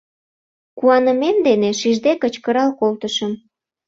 Куанымем дене шижде кычкырал колтышым.